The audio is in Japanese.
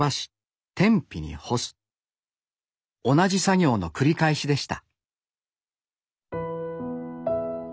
同じ作業の繰り返しでした。